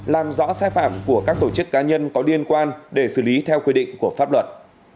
làm rõ sai phạm của các tổ chức cá nhân có liên quan để xử lý theo quy định của pháp luật